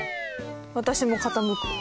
私も傾く。